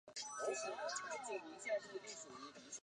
邻苯二甲酸二甲酯可用作蚊子和苍蝇的驱虫剂。